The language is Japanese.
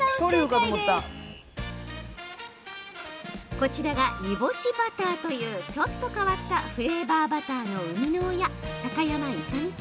こちらが煮干しバターというちょっと変わったフレーバーバターの生みの親高山いさ